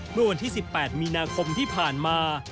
เมื่อวันที่๑๘มีนาคมที่ผ่านมา